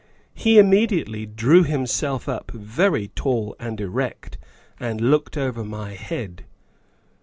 He immediately drew himself up very tall and erect and looked over my head.